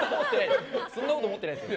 そんなこと思ってないです。